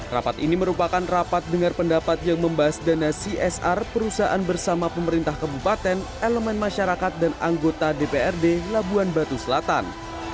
rapat ini merupakan rapat dengar pendapat yang membahas dana csr perusahaan bersama pemerintah kabupaten elemen masyarakat dan anggota dprd labuan batu selatan